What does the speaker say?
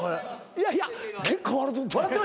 いやいや結構笑とった。